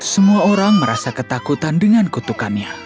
semua orang merasa ketakutan dengan kutukannya